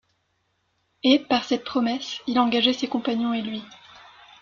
Et, par cette promesse, il engageait ses compagnons et lui.